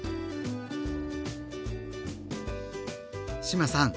志麻さん